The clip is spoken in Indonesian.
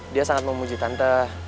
dia sangat memuji tante